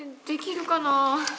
できるかな。